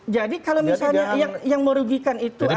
kalau misalnya yang merugikan itu adalah